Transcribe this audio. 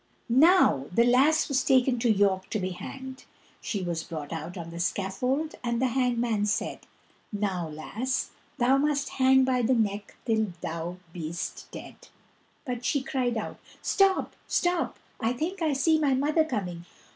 Now the lass was taken to York to be hanged; she was brought out on the scaffold, and the hangman said, "Now, lass, thou must hang by the neck till thou be'st dead." But she cried out: "Stop, stop, I think I see my mother coming!